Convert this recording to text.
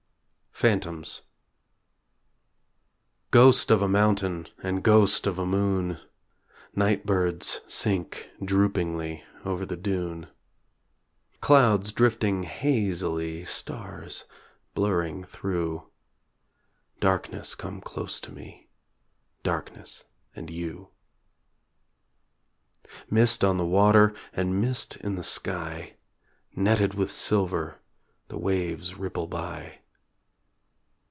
PHANTOMS Ghost of a mountain And ghost of a moon; Night birds sink droopingly Over the dune Clouds drifting hazily Stars blurring through; Darkness come close to me Darkness and you. Mist on the water And mist in the sky; Netted with silver The waves ripple by.